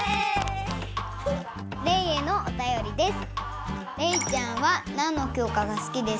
レイへのおたよりです。